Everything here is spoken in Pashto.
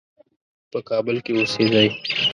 په کابل کې اوسېدی.